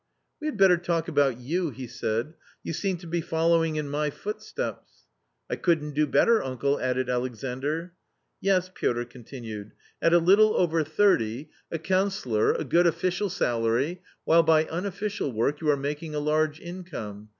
" We had better talk about you,", he said ;" you seem to be following in my footsteps." " I couldn't do better, uncle," added Alexandr. " Yes," Piotr continued. " At a little over thirty .... a T 282 A COMMON STORY councillor, a good official salary, while by unofficial work you are making a large income.